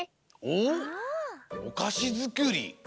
おかしづくり？